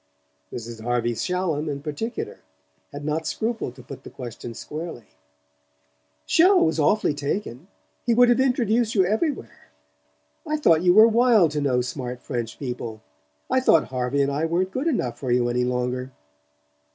Mrs. Harvey Shallum, in particular, had not scrupled to put the question squarely. "Chelles was awfully taken he would have introduced you everywhere. I thought you were wild to know smart French people; I thought Harvey and I weren't good enough for you any longer.